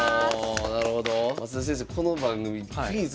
なるほど。